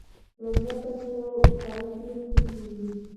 لوبیا په سړو سیمو کې کیږي.